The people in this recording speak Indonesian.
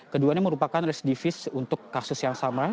keduanya merupakan residivis untuk kasus yang sama